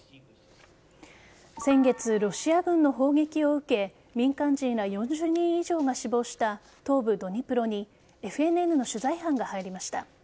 先月、ロシア軍の砲撃を受け民間人ら４０人以上が死亡した東部・ドニプロにＦＮＮの取材班が入りました。